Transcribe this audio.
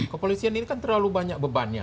kepolisian ini kan terlalu banyak bebannya